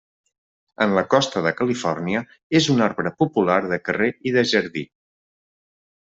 En la costa de Califòrnia, és un arbre popular de carrer i de jardí.